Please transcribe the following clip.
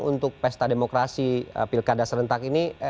untuk pesta demokrasi pilkada serentak ini